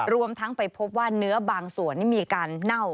รวมทั้งไปพบว่าเนื้อบางส่วนนี่มีการเน่า